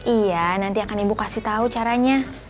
iya nanti akan ibu kasih tau caranya